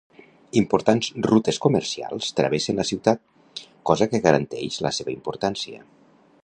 Importants rutes comercials travessen la ciutat, cosa que garanteix la seva importància.